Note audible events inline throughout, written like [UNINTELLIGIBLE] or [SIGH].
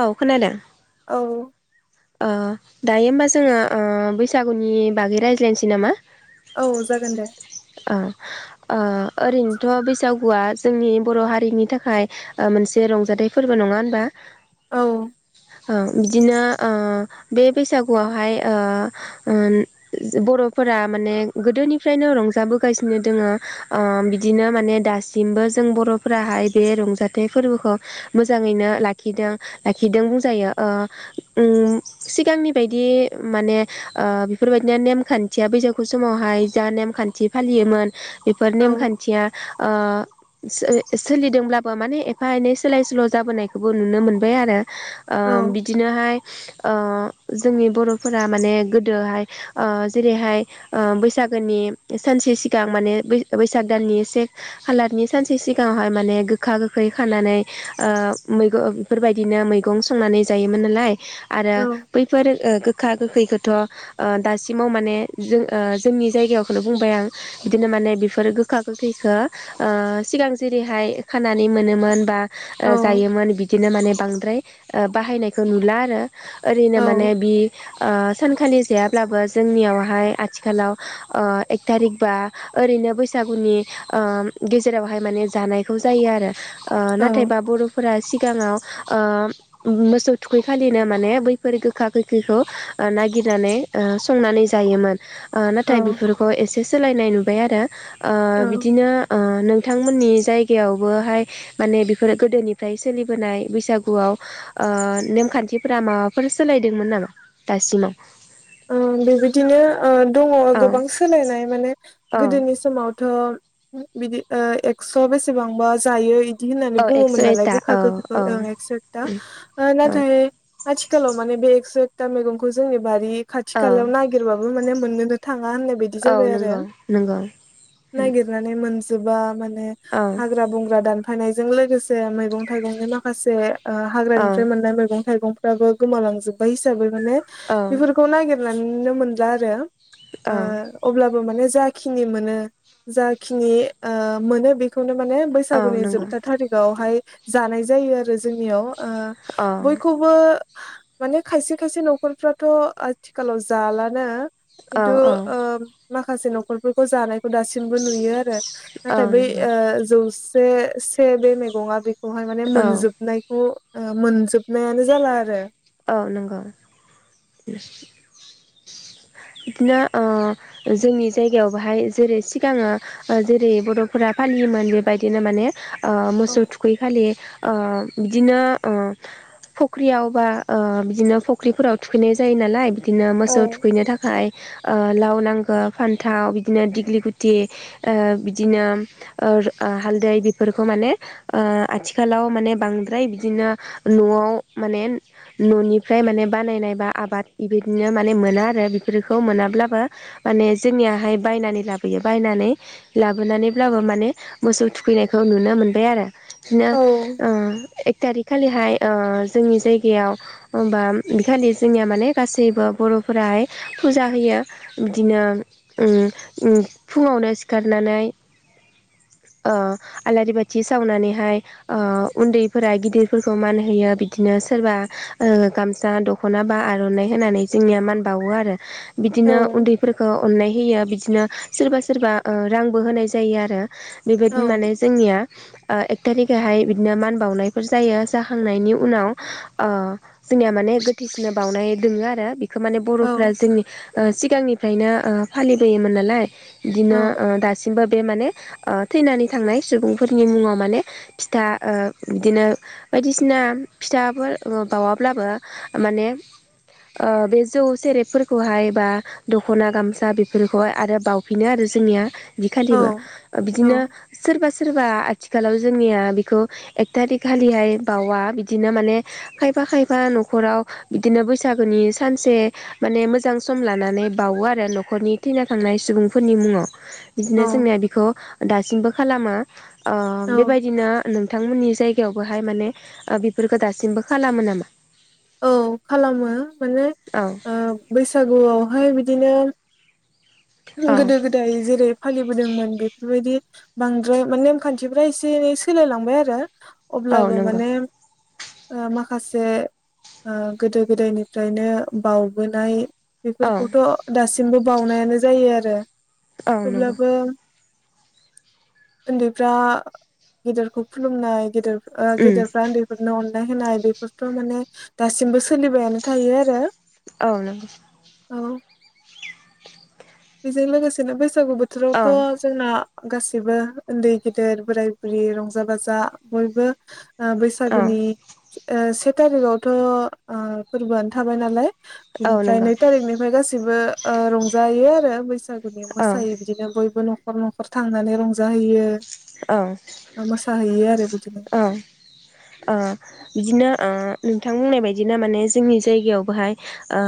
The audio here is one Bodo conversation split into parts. औ खोनादों। औ ओ दायो ओमबा जोङो ओ बैसागुनि बागै रायज्लायनोसै नामा? औ जागोन दे। ओ ओ ओरैनोथ' बैसागुआ जोंनि बर' हारिनि थाखाय ओ मोनसे रंजाथाइ फोरबो नङा होनबा? औ औ बिदिनो ओ बे बैसागुआवहाय ओ ओम बर'फोरा माने गोदोनिफ्रायनो रंजायो जाबोगासिनो दोंङो ओ बिदिनो माने दासिमबो जों बर'फोराहाय बे रंजाथाइ फोरबोखौ मोजाङैनो लाखिदों लाखिदों बुंजायो ओ उम सिगांनि बायदि माने ओ बिफोरबायदिनो नेमखान्थिया बैसागु समावहाय जा नेमखान थि फालियोमोन बेफोर औ नेमखान्थिया बोलि सोलिदोंब्लाबो माने एफा एनै सोलाय सोल' जाबोनायखौबो नुनो मोनबाय आरो ओ औ बिदिनोहाय ओ जोंनि बर'फोरा माने गोदोहाय ओ जेरैहाय ओ बैसागोनि सानसे सिगां माने बै बैसाग दाननि से खालारनि सानसे सिगांहाय माने गोखा गोखै खानानै ओ मैगो बिफोरबायदिनो मैगं संनानै जायोमोन नालाय आरो औ बैफोर ओ गोख खा गोखैखोथ' ओ दासिमाव माने जों ओ जोंनि जायगायाव बुंबाय आं बिदिनो माने बिफोर गोखा गोखैखो ओ सिगां जेरैहाय खानानै मोनोमोन बा जायोमोन बिदिनो माने बांद्राय ओ बाहायनायखो नुला आरो ओरैनो औ माने बि ओ सानखालि जायाब्लाबो जोंनियावहाय आथिखालाव ओ एक तारिक बा ओरैनो बैसागुनि ओम गेजेरावहाय माने जानायखौ जायो आरो ओ औ नाथायबा बर'फोरा सिगाङाव ओ मोसौ थुखै खालिनो माने बैफोर गोखा गोैखैखौ ओ नागिरनानै ओ संनानै जायोमोन ओ ना थाय बेफोरखौ एसे सोलायनाय नु बाय आरो औ ओ बिदिनो ओ नोंथांमोननि जायगायावबोहाय माने बिफोरो गोदोनिफ्राय सोलिबोनाय बैसागुआव ओ नेमखान्थिफोरा माबाफोर सोलायदोंमोन नामा दासिमाव? ओ बेबायदिनो ओ दङ' औ गोबां सोलायनाय माने औ गोदोनि समाव थ' बिदि ओ एक्स' बेसेबांबा जायो बिदि होननानै औ एक्स' बुङोमोन नालाय एकथा गोखा औ गोखैखौ औ ओं एक्स' एकटा ओ औ नाथाय आथिखालाव माने बे एक्स' दा मैगंखौ जोंनि बारि खाथि औ खालायाव नागिरबाबो माने मोननोनो थाङा होननाय बायदि औ जाबाय आरो नंगौ नंगौ नागिरनानै मोन जोबा माने औ हाग्रा बंग्रा दान फायनायजों लोगोसे मैगं थाइगंनि माखासे ओ औ हाग्रानिफ्राय मोननाय मैगं थाइगंफ्राबो गोमालांजोब्बाय हिसाबै माने बेफोर नागेरनानैनो मोनला आरो औ ओ अब्ला बो जाखिनि मोनो जाखिनि ओ मोनो बेखौनो माने औ बैसागुनि नंगौ जोबथा थारिखावहाय जानाय जायो आरो जोंनियाव ओ औ बयखौबो माने खायसे खायसे नखरफ्राथ आथिखालाव जालाना औ खिनथु औ ओ माखासे नखरफोरखौ जानाय खौ दासिमबो नुयो आरो औ नाथाय बै नंगौ ओ जौ से बे मैगंङा बे खौहाय माने औ मोनजोबनायखौ ओ मोनजोबनायानो जाला आरो औ नंगौ [INAUDIBLE] बिदिनो ओ जोंनि जायगायाव बाहाय जेरै सिगाङो जेरै बरफोरा फालियोमोन बेबायदिनो माने ओ औ मोसौ थुखै खालि ओ बिदिनो ओ फख्रियाव बा ओ बिदिनो फख्रिफोराव थुखैनाय जायो नालाय बिदिनो औ मोसौ थुखैनो थाखाय ओ लाव नांगौ फान्थाव बिदिनो दिग्लि गुथि ओ बिदिनो ओ हालदै बेफोरखौ माने ओ आथिखालाव माने बांद्राय बिदिनो नआव माने ननिफ्राय माने बानायनाय बा आबाद बेबायदिनो माने मोना आरो बेफोरखौ मोनाब्लाबो माने जोंनियाहाय बायनानै लाबोयो बायनानै लाबोनानैब्लाबो माने मोसौ थुखैनायखौ नुनो मोनबाय आरो बिदिनो औ ओ एक थारिक खालिहाय ओ जोंनि जायगायाव होमबा बेखालि जोंनिया माने गासैबो बरफोराहाय फुजा होयो बिदिनो ओ ओ फुङावनो सिखारनानै ओ आलारि बाथि सावनानैहाय ओ उन्दैफोरा गिदिरफोरखौ मान होयो बिदिनो सोरबा ओ गामसा दखना बा आरनाइ होनानै जोंनिया मान बा बावो आरो औ बिदिनो उन्दैफोरखौ अननाय होयो बिदि सोरबा सोरबा ओ रांबो होनाय जायो आरो औ बेबादिनो जोंनिया ओ एक तारिख आव हाय मान बावनायफोर जायो जाखांनायनि उनाव ओ जोंनिया माने गोथैफोरनो बावनाय दोङो आरो बिखो मान औ बरफोरा जोंनि ओ सिगांनिफ्रायनो ओ फालिबोयोमोन नालाय बिदिनो औ दासिमबो बे माने थैनानै थांनाय सुबुंफोरनि मुङाव माने फिथा बिदिनो बायदिसिना फिथाफोर बावाब्लाबो माने ओ बे जौ सेरेबफोरखौहाय बा दखना गामसा बेफोरखौहाय आरो बाफिनो आरो जोंनिया बिखालिबो औ बिदिनो सोरबा सोरबा आथिखालाव जोंनिया बेखौ एक थारिक खालिहाय बावा बिदिनो माने खायफा खायफा नखराव बिदिनो बैसागोनि सान से माने मोजां सम लानानै बावो आरो नखरनि थैना थांनाय सुबुंफोरनि मुङाव बिदिनो औ जोंनिया बेखौ दासिमबो खालामा ओ औ बेबायदिनो नोंथांमोननि जायगा वबोहाय माने बेफोरखौ दासिमबो खालामो नामा? औ खालामो। माने औ ओ बैसागुआवहाय बिदिनो औ गोदो गोदाय जेरै फालिबोदोंमोन बेफोरबायदि बांद्राय माने नेमखान्थिफ्रा एसे एनै सोलायलांबाय आरो। औ अब्लाबो नंगौ माने। ओ माखासे ओ गोदो गोदायनिफ्रायनो बावबोनाय औ बेफोरखौथ' दासि [UNINTELLIGIBLE] बावनायानो ज जायो आरो। औ नंगौ अब्लाबो ओन्दैफ्रा गेदेरखौ खुलुमनाय गेदेर ओ उम गेदेरफ्रा ओन्दैफोरनो अन नाय होनाय बेफोरथ' माने दासिमबो सोलिबायानो थायो आरो। औ नंगौ। औ। बेजों लोगोसेनो बेस सागु औ बोथोरावथ' जोंना गासिबो ओन्दै गेदेर बोराय बुरि रंजा बाजा बयबो ओ औ बैसागुनि ओ से तारिगावथ' ओ फोरबोआनो थाबाय नालाय औ बेनिफ्राय नंगौ नै तारिगनिफाय गासै [UNINTELLIGIBLE] ओ रंज जायो आरो बैसाग बिनो औ मोसायो बिदिनो बयबो नख न'खर न'खर थांनानै रंजाहैयो। औ मोसाहैयो आरो बिदिनो औ ओ बिदिनो ओ नोंथां बुंनाय बायदिनो माने जोंनि जायगायावबोहाय ओ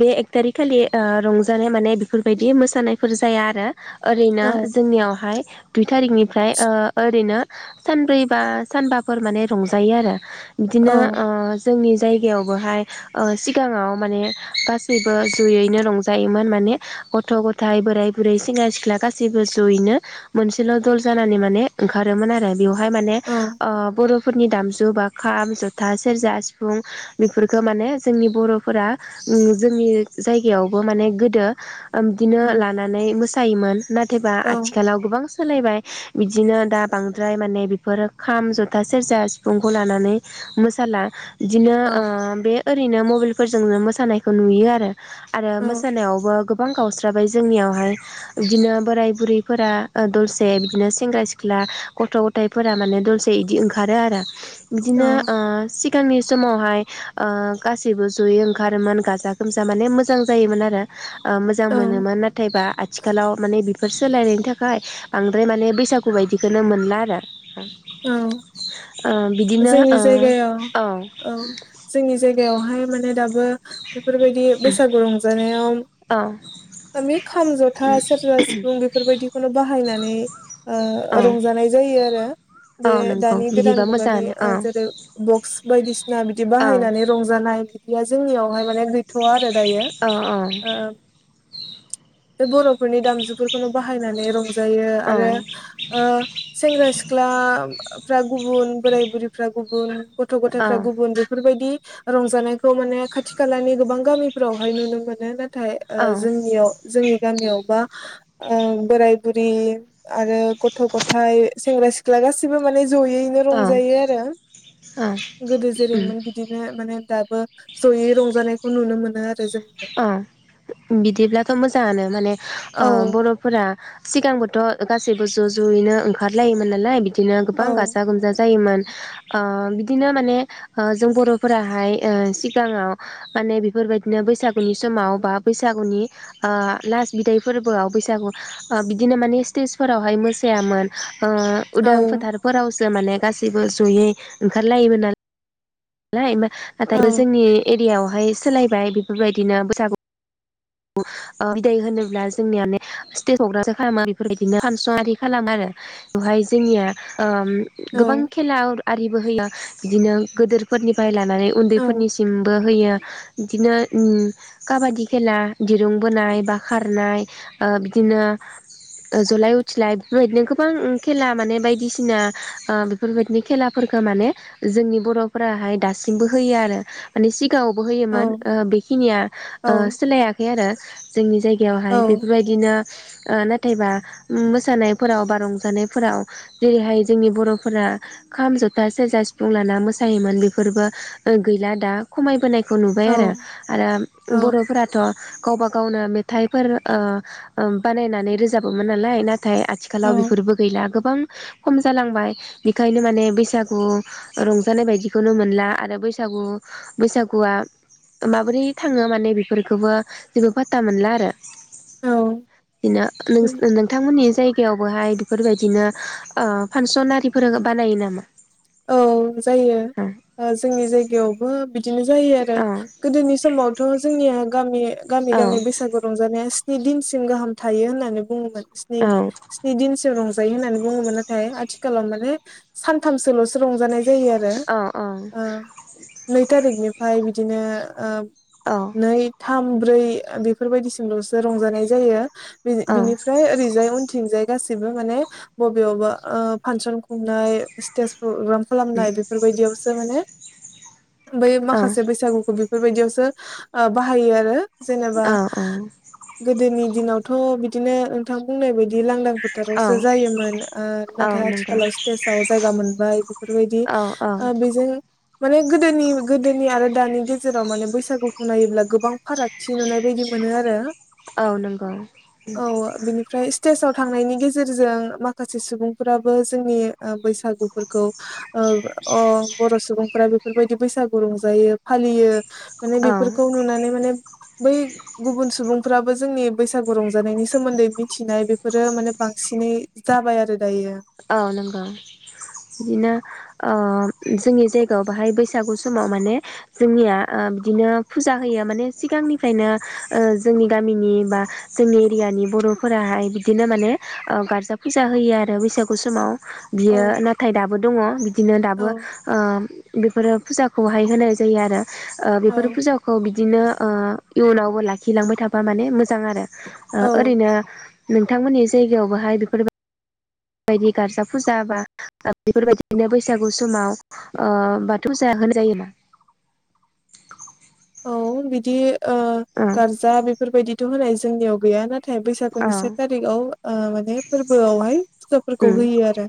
बे एक टारिक खालि ओ रंजानाय माने बेफोरबायदि मोसानायफोर जाया आरो। ओरैनो औ जोंनियावहाय दुइ थारिकनि फ्राय ओ ओरैनो सानब्रैबा सानबाफोर माने रंजायो आरो। औ बिदिनो ओ जोंनि जायगायावबोहाय ओ सिगाङाव माने गासैबो जयैनो रंजायोमोन माने गथ' गथाय बोराय बुरै सेंग्रा सिख्ला गासैबो जयैनो मोनसेल दल जानानै माने ओंखारोमोन आरो। बेवहाय माने औ ओ बरफोरनि दामजु बा खाम जथा सेरजा सिफुं बेफोरफोरखो माने जोंनि बर'फोरा [UNINTELLIGIBLE] जोंनि जायगायावबो माने गोदो [UNINTELLIGIBLE] उम लानानै मोसायोमोन नाथायबा औ आथिखालाव गोबां सो सोलायबाय बिदिनो दा बांद्राय माने बेफोर खाम जथा सेरजा सिफुंखौ लानानै मोसाला। बिदिनो औ ओ बे ओरैनो दुल फोरजोंनो मोसानायखौ नुयो आरो आरो औ मोसानायावबो गोबां गावस्राबाय जोंनियावहाय बिदिनो बोराय बुरैफोरा ओ दल से बिदिनो सेंग्रा सिख्ला गथ गथायफोरा माने दलसे इदि ओंखारो आरो। बिदिनो औ ओ सिगांनि समावहाय ओ गासैबो जयै ओंखारोमोन गाजा गोमजा माने मोजां जायोमोन आरो। ओ मोजां औ मोनोमोन नाथायबा आथिखालाव माने बि बेफोर सोलायनायनि थाखाय। बांद्राय माने बैसागु बायदिखौनो मोनला आरो। औ ओ बिदिनो जोंनि ओ जायगायाव औ जोंनि जायगायावहाय माने दाबो बेफोरबायदि बैसागु रंजानायाव औ माने खाम जथा सेरजा सिफुं बेफोरबायदिखौनो बाहायना नै औ ओ रंजानाय जायो आरो। औ बे नंगौ दानि गोदान बिदिबा मुगानि मोजाङानो ओ औ जेरै बक्स बायदि ना बिदि औ बाहायनानै रंजानाय बिदिया जोंनियावहाय माने गैथ ' थआ आरो दायो औ औ ओ बे बरफोरनि दामजुफोरखौनो बाहायनानै रंजा जायो औ आरो ओ सेंग्रा सि फ्रा गुबुन बोराय बुरिफ्रा गुबुन गथ गथायफ्रा गुबुन बेफोरबायदि रंजानायखौ माने खाथि खालानि गोबां गामिफोरावहाय नुनो मोनो नाथ थाय ओ जोंनियाव जोंनि गामियावबा बोराय बुरि आरो गथ' गथायाइ सेंग्रा सिख्ला लाासिबो माने जयैनो रंजायो औ आरो गोदो उम जेरैमोन बिदिनो माने दा जयै रंजानायखौ नुनो मोनो आरो। जोंनियाव अ बिदिब्लाथ' मोजाङानो माने औ बर'फोरा सिगांबोथ' गासैबो ज' ज'यैनो ओंखारलायोमोन नालाय बिदिनो औ गोबां गाजा गोमजा जायोमोन। ओ बिदिनो माने जों बर'फोराहाय सिगाङाव माने बेफोरबायदिनो बैसागु बनि समाव बा बैसागुनि लास् बिदाय फोरबोआव बैसागु बिदिनो माने स्टेजफोरावहाय मोसायामोन। उदां औ फोथारफोराव ज माने गासैबो जयै ओंखारलायोमोन नालाय लाय नाथाय औ जोंनि एरियाायाव बेहाय सोलायबाय बेफोरबायदिनो बैसागु बिदाय होनोब्ला जोंनियााने स्टेज प्रग्रामसो खालामो बेफोरबायदिनो फांसन आरि खालामो आरो बेवहाय जोंनिया औ गोबां खेला आरो। आरिबो होया बिदिनो गोदोर। [INAUDIBLE] मे औ उन्दैफोरनिसिमबो होयो बिदिनो काबादि खेला दिरुं बोनाय बा खारनाय बिदिनो जलाय उथिलाय बेफोरबायदिनो गोबां खेला माने बायदिसिना बेफोरबायदिनो खेलाफोरखौ माने जोंनि बर'। हाय दासिमबो होयो आरो [INAUDIBLE] गावबो होयोमोन औ बेखिनिया औ सोलायाखै आरो। जोंनि जायगायावहाय औ बेफोरबायदिनो। नाथायबा मोसानायफोराव बा रंजानायफोराव जेरैहाय जोंनि बर'फोरा खाम जथा सेरजा सिफुं लाना मो। योमोन बेफोरबो गैला दा खमायबोनाय। बे खौ नुबाय औ आरो आरो औ बर'फोराथ'। गावबा गावनो मेथाइफोर बानायनानै रोजाबोमोन नालाय नाथाय। नाथाय आथिखालाव बेफोरबो गैला गोबां। खम जालांबाय बेखायनो माने बैसागु रंज [INAUDIBLE] जानाय बायदिखौनो मोनला आरो बैसागु बैसागुआ माबोरै थाङो माने बेफोरखौबो जेबो फाता मोनला आरो। औ बिनो नोंथांमोननि जायगायावबोहाय बेफोरबायदिनो फांसन आरिफोर बानायो नामा। औ। जायो औ जोंनि जायगायावबो बि बिदिनो जायो आरो गोदोनि समावथ' जोंनिया गामि गामि औ गामि बैसागु रंजानाय [UNINTELLIGIBLE] दिनसिम गाहाम थायो होननानै बुङोमोन। स्नि औ स्नि दिनसो रंज [UNINTELLIGIBLE] आथिखालाव माने सान्थामसो [UNINTELLIGIBLE] रंजानाय जायो आरो औ ओ। नै थारिखनिफ्राय बिदिनो। नै था थाम ब्रै बेफोरबायदिसिमल'सो रंजानाय जायो। बिनिफ्राय ओरैजाय उनथिंजाय गासिबो माने बबेयावबा ओ फांसन खुंनाय [UNINTELLIGIBLE] [UNINTELLIGIBLE] खालामनाय बेफोरबायदियावसो माने बै माखासे बैसागुखौ बि बेफोरबायदियावसो बाहायो आरो। जेनेबा औ गोदोनि दिनाव थ' बिदिनो नोंथां बुंनाय बायदि बि लांदां फोथारावसो जायोमोन ओ औ नाथाय नंगौ आथिखालाव स्तेजाव जायगा मोन जाय बेफोरबायदि औ औ आ बेजों माने गोदोनि गोदोनि आरो दानि गेजेराव माने बैसागुखौ नायोब्ला गोबां फारागथि नुनाय बायदि मोनो आरो। औ नंगौ उम। औ बिनिफ्राय स्टेजाव थांनायनि गेजेरजों माखासे सुबुंफोराबो जोंनि ओ बैसागु फोरखौ ओ अ बर' सुबुंफोरा बेफोरबायदि बैसागु रंजायो फालियो माने औ बेफोरखौ नुनानै माने बै गुबुन सुबुं फ्राबो जोंनि बैसागु रंजानायनि सोमोन्दै मिथिनाय बेफोरो माने बांसिनै जाबाय आरो दायो औ नंगौ। बिदिनो ओ जोंनि जायगायाव बाहाय बैसागु समाव माने जोंनिया ओ बिदिनो फुजा होयो माने सिगांनिफ्रायनो ओ जोंनि गामिनि बा जोंनि एरियानि बर'फोराहाय बिदिनोमाने ओ गारजा फुजा होयो आरो बैसा गुसमाव। औ बियो नाथाय दाबो दङ बिदिनो औ दाबो ओम बि फोरो फुजाखौहाय होनाय जायो आरो। ओ बेफोर औ फुजाखौ बि दिनो ओ इयुनावबो लाखिलांबाय थाबा माने मोजां आरो। ओ औ ओरैनो नोंथांमोननि जायगायावबोहाय बेफोर बायदि गार्जा फुजा बा बेफोरबायदिनो बैसागु समाव ओ बाथौ फुजा होनाय जायो ना? औ बिदि ओ ओं गारजा बेफोरबायदिथ' होनाय जोंनिव गैया। ना थाय औ बैसागुनि से थारिखआव ओ माने फोर्बोआवहाय फेजाफोरखौ उम होयो आरो।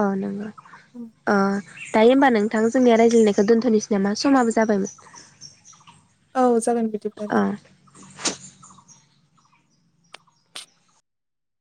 औ नंगौ ओ दायो होमबा नोंथां जोंनिया रायज्लायनायखौ दोन्थ'नोसै नामा समाबो जाबायमोन। औ जागोन बिदिब्ला दे। औ